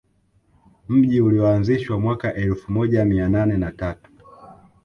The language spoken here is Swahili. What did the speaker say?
Mji ulioanzishwa mwaka elfu moja mia nane na tatu